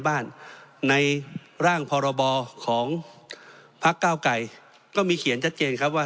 บ้านในร่างพรบของพักเก้าไกรก็มีเขียนชัดเจนครับว่า